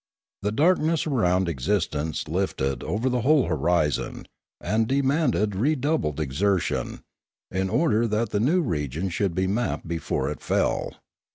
The dark ness around existence lifted over the whole horizon, and demanded redoubled exertion, in order that the new regions should be mapped before it fell.